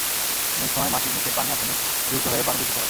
অনেক সময় মাটির নিচের পানি আর্সেনিক যুক্ত হয়ে পানি দূষিত হয়।